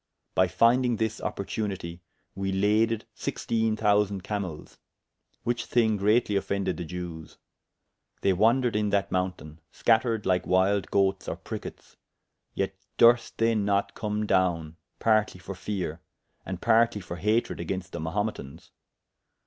By fyndyng this opportunitie, we laded sixtiene thousand camels; which thyng greatly offended the Jewes. They wandred in that mountayne, scattered lyke wylde goates or prickettes, yet durst they not come downe, partly for feare, and partly for hatred agaynst the Mahumetans.